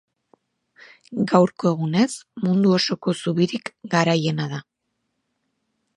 Gaurko egunez, mundu osoko zubirik garaiena da.